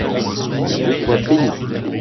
Que Dieu soit bénit !